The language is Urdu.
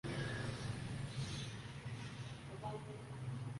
اراگونیز